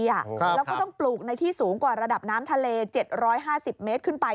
แล้วก็ต้องปลูกในที่สูงกว่าระดับน้ำทะเล๗๕๐เมตรขึ้นไป